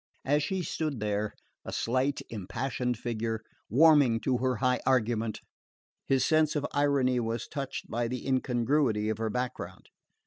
As she stood there, a slight impassioned figure, warming to her high argument, his sense of irony was touched by the incongruity of her background.